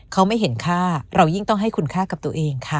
เขาไม่เห็นค่าเรายิ่งต้องให้คุณค่ากับตัวเองค่ะ